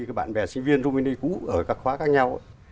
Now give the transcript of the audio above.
các bạn bè sinh viên rumeni cũ ở các khóa khác nhau